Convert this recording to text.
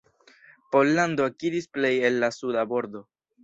Pollando akiris plej el la suda bordo.